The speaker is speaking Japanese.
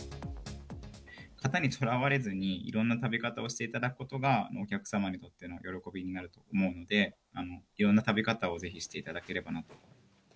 型にとらわれずに、いろんな食べ方をしていただくことが、お客様にとっての喜びになると思うので、いろんな食べ方をぜひしていただければなと。